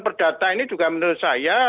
perdata ini juga menurut saya